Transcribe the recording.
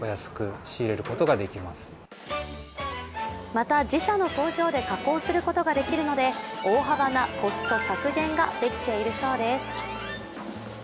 また、自社の工場で加工することができるので大幅なコスト削減ができているそうです。